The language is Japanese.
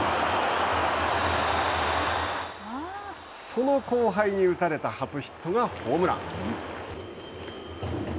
その後輩に打たれた初ヒットがホームラン。